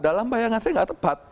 dalam bayangan saya nggak tepat